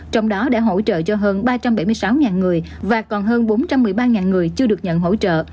trong đó để hỗ trợ cho hơn ba trăm bảy mươi sáu người và còn hơn bốn trăm một mươi ba người chưa được nhận hỗ trợ